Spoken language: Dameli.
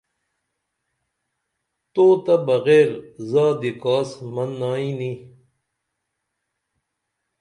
تو تہ بغیر زادی کاس منائیں نی